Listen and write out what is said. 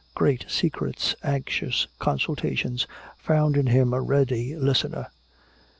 Great secrets, anxious consultations, found in him a ready listener.